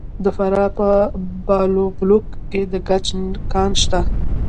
د فراه په بالابلوک کې د ګچ کان شته.